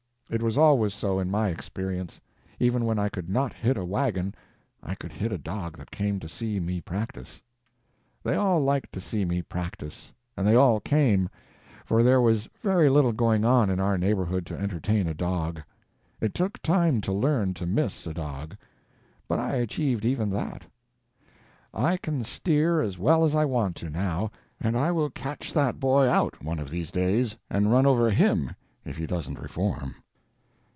It was always so in my experience. Even when I could not hit a wagon I could hit a dog that came to see me practice. They all liked to see me practice, and they all came, for there was very little going on in our neighborhood to entertain a dog. It took time to learn to miss a dog, but I achieved even that. I can steer as well as I want to, now, and I will catch that boy out one of these days and run over HIM if he doesn't reform.